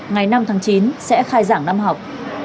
ngày năm tháng chín sẽ khai giảng năm học